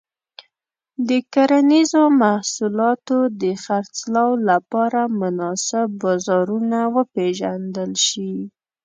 د کرنيزو محصولاتو د خرڅلاو لپاره مناسب بازارونه وپیژندل شي.